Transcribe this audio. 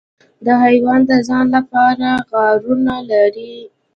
دا حیوان د ځان لپاره غارونه لري.